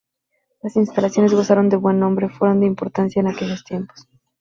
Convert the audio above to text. Las instalaciones gozaron de buen nombre fueron de importancia en aquellos tiempos.